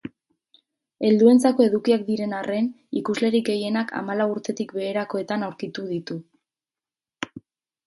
Helduentzako edukiak diren arren, ikuslerik gehienak hamalau urtetik beherakoetan aurkituko ditu.